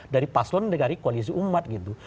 dari paslon dari koalisi umat gitu